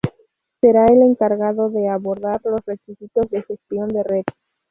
Será el encargado de abordar los requisitos de gestión de red.